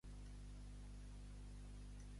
En l'explosió només aconsegueix sobreviure-hi Cole.